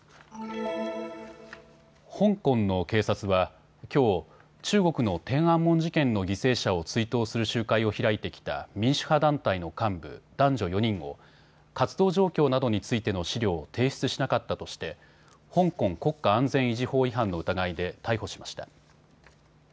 香港の警察はきょう中国の天安門事件の犠牲者を追悼する集会を開いてきた民主派団体の幹部、男女４人を活動状況などについての資料を提出しなかったとして香港国家安全維持法違反の疑いで逮捕しました。